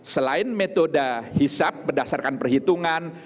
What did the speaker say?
selain metode hisap berdasarkan perhitungan